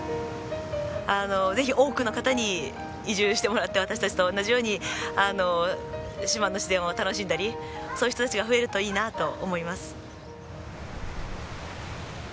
あのぜひ多くの方に移住してもらって私たちと同じように島の自然を楽しんだりそういう人たちが増えるといいなと思います。